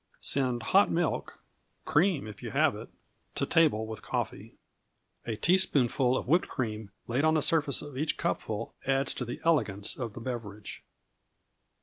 Send hot milk cream, if you have it to table with coffee. A teaspoonful of whipped cream, laid on the surface of each cupful, adds to the elegance of the beverage.